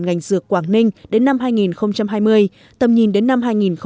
ngành dược quảng ninh đến năm hai nghìn hai mươi tầm nhìn đến năm hai nghìn ba mươi